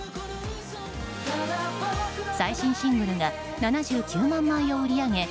最新シングルが７９万枚を売り上げ